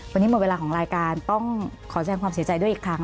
วันนี้หมดเวลาของรายการต้องขอแสดงความเสียใจด้วยอีกครั้ง